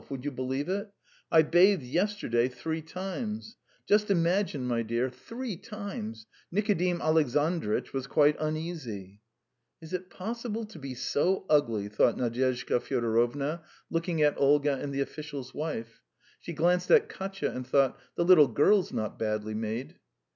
Would you believe it? I bathed yesterday three times! Just imagine, my dear, three times! Nikodim Alexandritch was quite uneasy." "Is it possible to be so ugly?" thought Nadyezhda Fyodorovna, looking at Olga and the official's wife; she glanced at Katya and thought: "The little girl's not badly made."